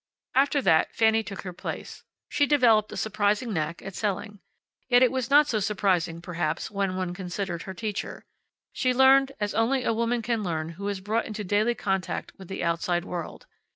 After that Fanny took her place. She developed a surprising knack at selling. Yet it was not so surprising, perhaps, when one considered her teacher. She learned as only a woman can learn who is brought into daily contact with the outside world.